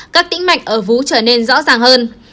các tĩnh mạnh ở vú trở nên rõ ràng hơn